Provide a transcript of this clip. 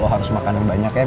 harus makan yang banyak ya